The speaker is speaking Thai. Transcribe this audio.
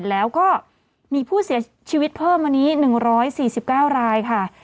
แล้วก็มีผู้เสียชีวิตเพิ่มมานี้๑๔๙รายค่ะ